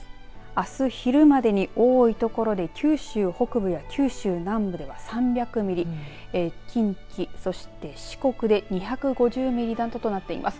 あす昼までに多い所で九州北部や九州南部では３００ミリ近畿そして四国で２５０ミリなどとなっています。